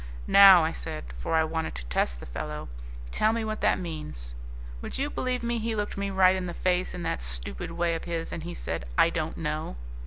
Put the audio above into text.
Now,' I said, for I wanted to test the fellow, 'tell me what that means?' Would you believe me, he looked me right in the face in that stupid way of his, and he said, 'I don't know!'"